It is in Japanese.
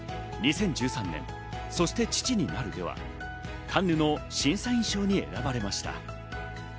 ２０１３年、『そして父になる』では、カンヌの審査員賞に選ばれました。